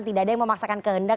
tidak ada yang memaksakan kehendak